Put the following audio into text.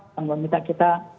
yang meminta kita